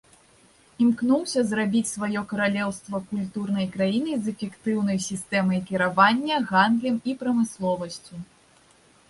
Імкнуўся зрабіць сваё каралеўства культурнай краінай з эфектыўнай сістэмай кіравання, гандлем і прамысловасцю.